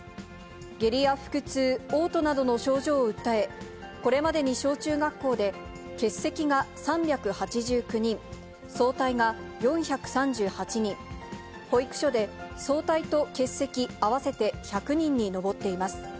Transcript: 下痢や腹痛、おう吐などの症状を訴え、これまでに小中学校で欠席が３８９人、早退が４３８人、保育所で早退と欠席合わせて１００人に上っています。